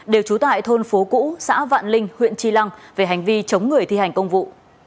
đều trú tại thôn phố cũ xã vạn linh huyện tri lăng về hành vi chống người thi hành công vụ